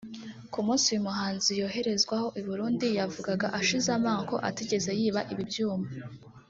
Ku munsi uyu muhanzi yoherezwaho i Burundi yavugaga ashize amanga ko atigeze yiba ibi byuma